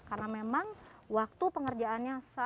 karena memang waktu pengajaran ini tidak terlalu lama